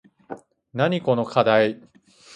なにこのかだい